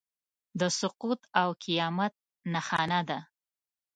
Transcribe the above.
د سقوط او قیامت نښانه ده.